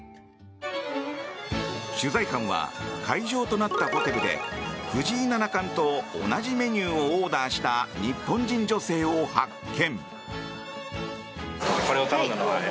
取材班は会場となったホテルで藤井七冠と同じメニューをオーダーした日本人女性を発見。